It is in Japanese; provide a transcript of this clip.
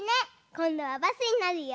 こんどはバスになるよ。